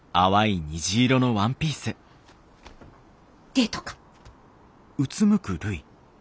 デートか？